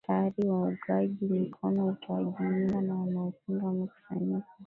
Tayari waungaji mkono utoaji mimba na wanaopinga wamekusanyika